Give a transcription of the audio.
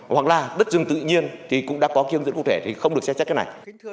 hoặc là đất rừng tự nhiên thì cũng đã có hướng dẫn cụ thể thì không được xem xét cái này